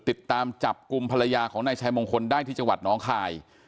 ติดตามจับกลุ่มภรรยาของนายชายมงคลได้ที่จังหวัดน้องคาย